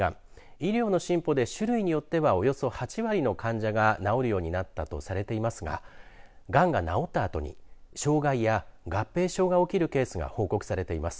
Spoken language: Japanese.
医療の進歩で、種類によってはおよそ８割の患者が治るようになったとされていますががんが治ったあとに障がいや合併症が起きるケースが報告されています。